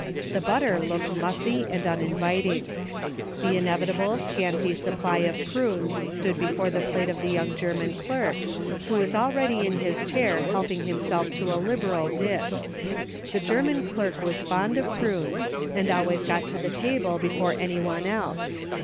The butter looked mussy and uninviting. The in evitable, scanty supply of prunes stood before the plate of the young German clerk, who was already in his chair helping himself to a liberal dish. The German clerk was fond of prunes, and always got to the table before any one else.